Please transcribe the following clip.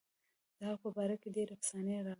د هغه په باره کې ډېرې افسانې راغلي.